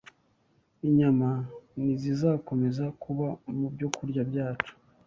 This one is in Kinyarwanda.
Inyama ntizizakomeza kuba mu byokurya byacu